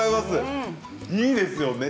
いいですよね。